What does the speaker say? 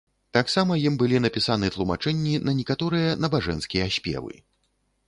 Таксама ім былі напісаны тлумачэнні на некаторыя набажэнскія спевы.